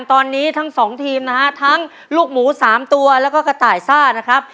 ตอนนี้ทั้งสองทีมนะฮะทั้งลูกหมู๓ตัวแล้วก็กระต่ายซ่านะครับ